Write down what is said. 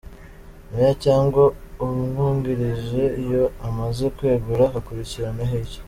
Mayor cyangwa umwungirije iyo amaze kwegura hakurikiraho iki?